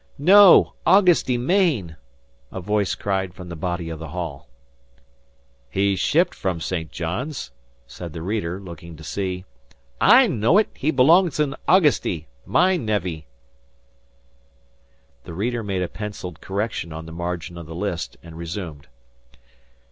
"No Augusty, Maine," a voice cried from the body of the hall. "He shipped from St. John's," said the reader, looking to see. "I know it. He belongs in Augusty. My nevvy." The reader made a pencilled correction on the margin of the list, and resumed.